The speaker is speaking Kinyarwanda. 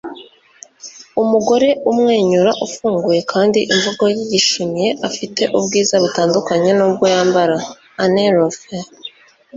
umugore umwenyura ufunguye kandi imvugo ye yishimiye afite ubwiza butandukanye nubwo yambara. - anne roiphe